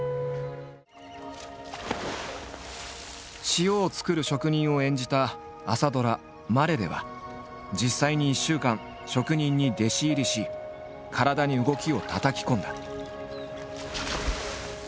塩を作る職人を演じた朝ドラ「まれ」では実際に１週間職人に弟子入りし体に動きをたたき込んだ。